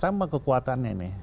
sama kekuatannya nih